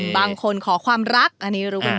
บางคนขอความรักอันนี้เรามีแล้ว